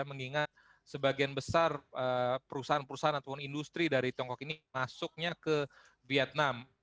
mengingat sebagian besar perusahaan perusahaan ataupun industri dari tiongkok ini masuknya ke vietnam